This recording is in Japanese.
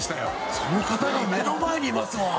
その方が目の前にいますもん。